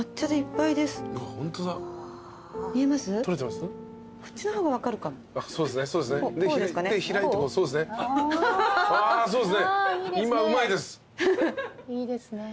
いいですね。